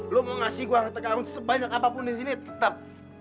lo mau ngasih gua ketergantungan sebanyak apapun disini tetep